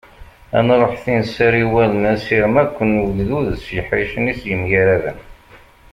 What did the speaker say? Ad nruḥ tin s ara iwalmen asirem akk n wegdud s yeḥricen-is yemgaraden.